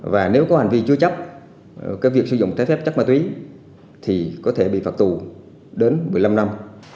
và nếu có hành vi chúa chóc cái việc sử dụng tái phép chắc ma túy thì có thể bị phạt tù đến một mươi năm năm